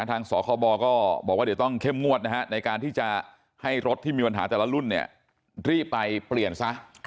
ทางสคบก็บอกว่าเดี๋ยวต้องเข้มงวดนะฮะในการที่จะให้รถที่มีปัญหาแต่ละรุ่นรีบไปเปลี่ยนซะ